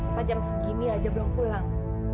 pajam segini aja belum pulang